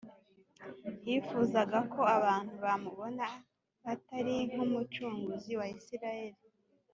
. Yifuzaga ko abantu bamubona, atari nk’Umucunguzi wa Isiraheli